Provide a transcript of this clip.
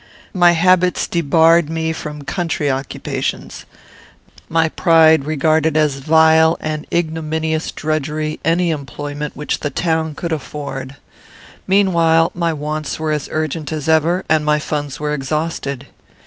My habits debarred me from country occupations. My pride regarded as vile and ignominious drudgery any employment which the town could afford. Meanwhile, my wants were as urgent as ever, and my funds were exhausted.